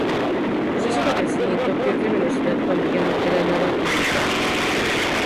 El proceso de crecimiento pierde velocidad cuando ya no queda nada que imitar.